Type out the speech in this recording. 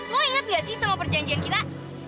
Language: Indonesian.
lo ingat nggak sih sama perjanjian kita